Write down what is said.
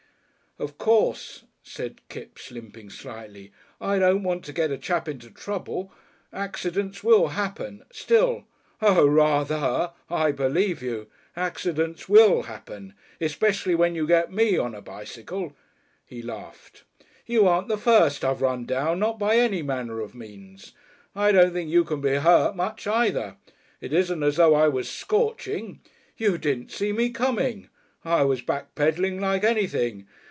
"Of course," said Kipps, limping slightly. "I don't want to get a chap into trouble. Accidents will happen. Still " "Oh! rather! I believe you. Accidents will happen. Especially when you get me on a bicycle." He laughed. "You aren't the first I've run down not by any manner of means! I don't think you can be hurt much either. It isn't as though I was scorching. You didn't see me coming. I was back pedalling like anything.